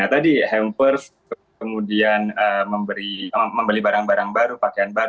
tadi hampers kemudian membeli barang barang baru pakaian baru